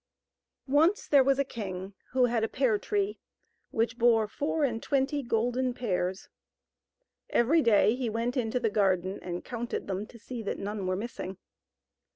NCE there was a king who had a pear tree which bore four and twenty golden pears. Every day he went into the garden and counted them to see that none were missing.